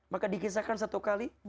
maka dikisahkan satu kali